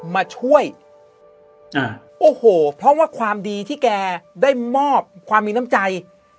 มาช่วยโอ้โหเพราะว่าความดีที่แกได้มอบความมีน้ำใจ